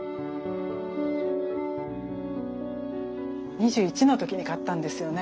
２１の時に買ったんですよね。